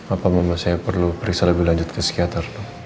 apa mama saya perlu periksa lebih lanjut ke psikiater